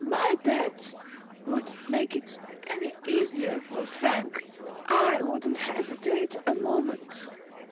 "If my death would make it any easier for Frank, I wouldn't hesitate a moment.